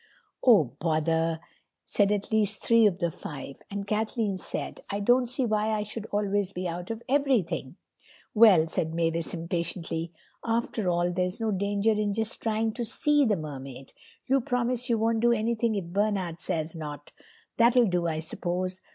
"Oh, bother," said at least three of the five; and Kathleen said: "I don't see why I should always be out of everything." "Well," said Mavis impatiently, "after all, there's no danger in just trying to see the Mermaid. You promise you won't do anything if Bernard says not—that'll do, I suppose?